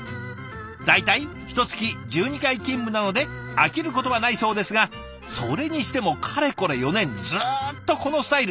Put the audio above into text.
大体ひとつき１２回勤務なので飽きることはないそうですがそれにしてもかれこれ４年ずっとこのスタイル。